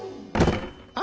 あ！